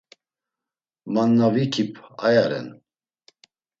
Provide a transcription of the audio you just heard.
Man na vikip aya ren.